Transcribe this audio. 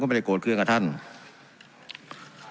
การปรับปรุงทางพื้นฐานสนามบิน